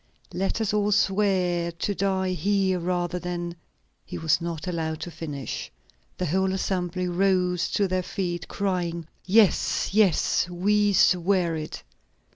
Let us all swear to die here rather than " He was not allowed to finish. The whole assembly rose to their feet, crying: "Yes, yes; we swear it!"